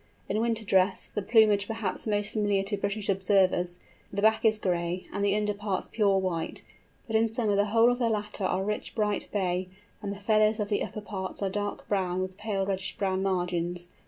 In winter dress—the plumage perhaps most familiar to British observers—the back is gray, and the under parts pure white; but in summer the whole of the latter are rich bright bay, and the feathers of the upper parts are dark brown with pale reddish brown margins.